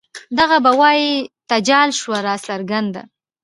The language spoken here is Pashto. دے به وائي تجال شوه راڅرګنده